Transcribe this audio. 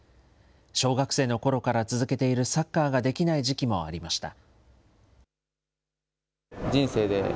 小学生のころから続けているサッカーができない時期もありました。